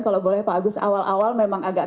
kalau boleh pak agus awal awal memang agak